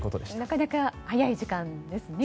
なかなか早い時間ですね。